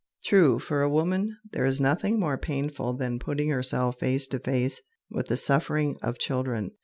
True, for a woman there is nothing more painful than putting herself face to face with the suffering of children.